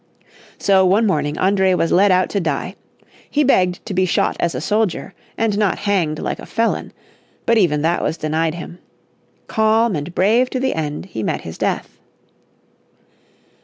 So one morning André was led out to die. He begged to shot as a soldier, and not hanged like a felon. But even that was denied him. Calm and brave to the end he met his death.